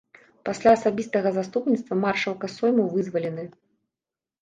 Пасля асабістага заступніцтва маршалка сойму вызвалены.